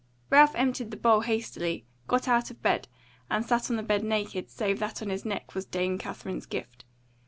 Ralph emptied the bowl hastily, got out of bed, and sat on the bed naked, save that on his neck was Dame Katherine's gift.